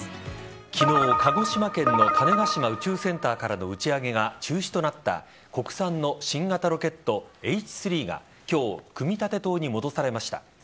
昨日、鹿児島県の種子島宇宙センターからの打ち上げが中止となった国産の新型ロケット・Ｈ３が今日、組み立て棟に戻されました。